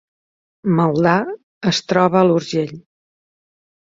Maldà es troba a l’Urgell